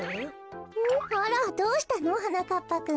あらっどうしたの？はなかっぱくん。